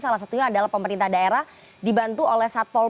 salah satunya adalah pemerintah daerah dibantu oleh satpol pp